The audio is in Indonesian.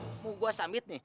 hah mau gua samit nih